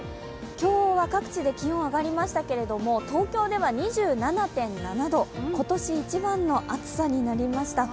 今日は各地で気温が上がりましたけれども東京では２７．７度今年一番の暑さになりました。